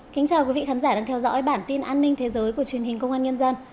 chào mừng quý vị đến với bản tin an ninh thế giới của truyền hình công an nhân dân